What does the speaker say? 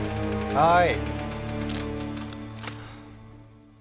はい？